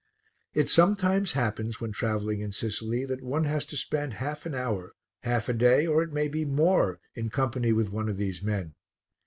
It sometimes happens when travelling in Sicily that one has to spend half an hour, half a day, or it may be more, in company with one of these men.